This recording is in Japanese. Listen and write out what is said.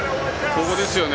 ここですよね。